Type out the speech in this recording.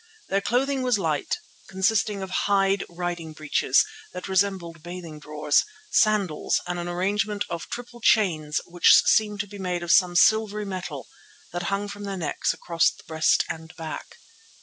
Their clothing was light, consisting of hide riding breeches that resembled bathing drawers, sandals, and an arrangement of triple chains which seemed to be made of some silvery metal that hung from their necks across the breast and back.